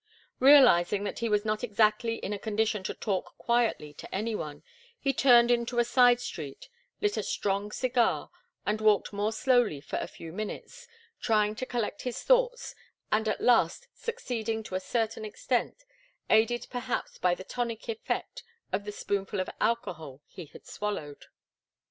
Realizing that he was not exactly in a condition to talk quietly to any one, he turned into a side street, lit a strong cigar and walked more slowly for a few minutes, trying to collect his thoughts, and at last succeeding to a certain extent, aided perhaps by the tonic effect of the spoonful of alcohol he had swallowed.